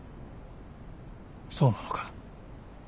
そうなのか。